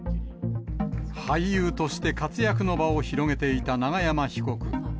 俳優として活躍の場を広げていた永山被告。